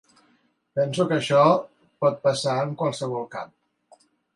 Penso que això pot passar en qualsevol camp.